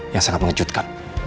yang saya dapatkan